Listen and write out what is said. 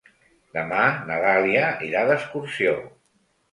Demà na Dàlia irà d'excursió.